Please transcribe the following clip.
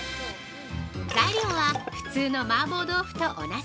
材料は普通の麻婆豆腐と同じ。